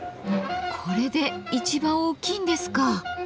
これで一番大きいんですか。